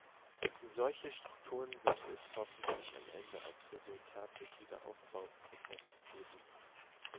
Solche Strukturen wird es hoffentlich am Ende als Resultat des Wiederaufbauprozesses geben.